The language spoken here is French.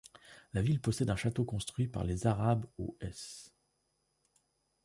La ville possède un château construit par les Arabes aux s.